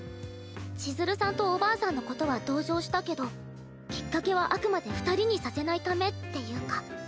千鶴さんとおばあさんのことは同情したけどきっかけはあくまで二人にさせないためっていうか。